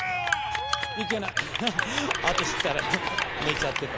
いけないアテシったら寝ちゃってたわ。